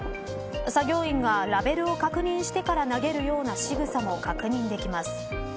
作業員がラベルを確認してから投げるようなしぐさも確認できます。